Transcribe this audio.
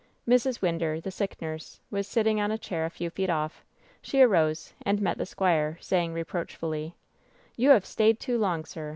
Mrs. Winder, the sick nurse, was sitting on a chair a few feet off. She arose and met the squire, saying, re proachfully : "You have stayed too long, sir